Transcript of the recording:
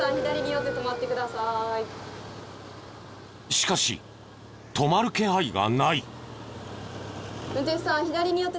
しかし止まる気配がない。